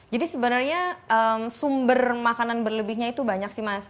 jadi sebenarnya sumber makanan berlebihnya itu banyak sih mas